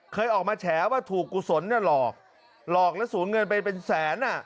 เคยออกมาแฉว่าถูกกุศลเนี่ยหลอกหลอกแล้วสูญเงินไปเป็นแสน